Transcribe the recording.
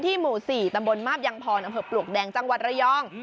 ที่หมู่๔ตำบลมาบยังพรปลวกแดงจังหวัดระยอง